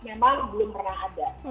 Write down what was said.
memang belum pernah ada